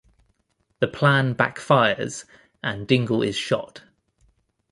The plan backfires, and Dingle is shot.